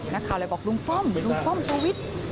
นักข่าวเลยบอกลุงป้อมลุงป้อมทวิทย์